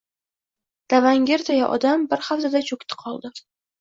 Davangirday odam bir haftada cho`kdi-qoldi